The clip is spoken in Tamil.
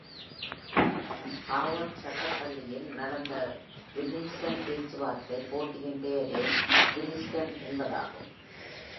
ஹார்வர்ட் சட்டப் பள்ளியில் நடந்த வில்லிஸ்டன் பேச்சுவார்த்தை போட்டியின் பெயரே வில்லிஸ்டன் என்பதாகும்.